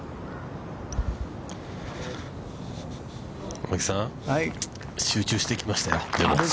◆青木さん、集中してきましたよ。